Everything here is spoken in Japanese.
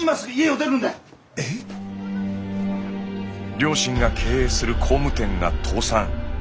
両親が経営する工務店が倒産。